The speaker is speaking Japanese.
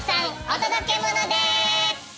お届けモノです！